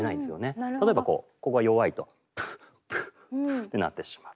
例えばこうここが弱いと。ってなってしまう。